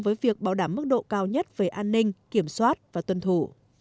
với việc bảo đảm mức độ cao nhất về an ninh kiểm soát và tuân thủ